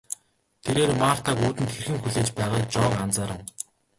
Тэрээр Мартаг үүдэнд хэрхэн хүлээж байгааг Жон анзаарав.